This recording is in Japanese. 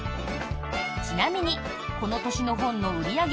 ちなみにこの年の本の売り上げ